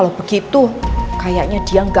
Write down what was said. terima kasih ma